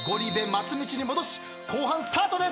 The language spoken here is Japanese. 松道に戻し後半スタートです。